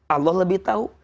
allah lebih tahu